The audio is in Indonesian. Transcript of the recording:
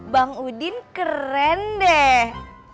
bang udin keren deh